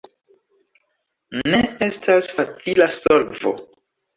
Ne estas facila solvo.